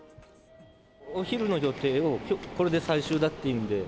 お昼の予定を、これで最終だっていうんで。